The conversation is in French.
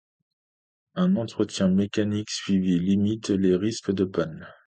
Un entretien mécanique suivi limite les risques de panne.